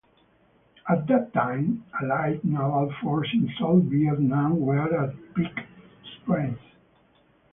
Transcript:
At that time, Allied naval forces in South Vietnam were at peak strength.